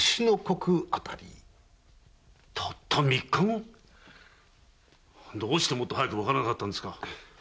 たった三日後⁉どうしてもっと早くわからなかったのですか？